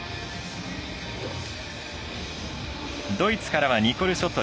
ドイツからはニコル・ショット。